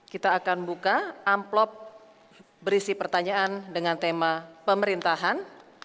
kita akan buka amplop berisi pertanyaan dengan tema pemerintahan